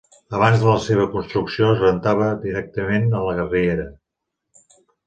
Abans de la seva construcció es rentava directament a la riera.